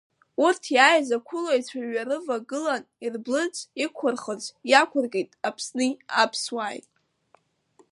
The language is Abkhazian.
Урҭ иааиз ақәылаҩцәа иҩарывагылан ирблырц, иқәырхырц иақәыркит Аԥсни аԥсуааи.